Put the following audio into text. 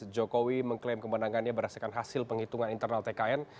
jokowi mengklaim kemenangannya berdasarkan hasil penghitungan internal tkn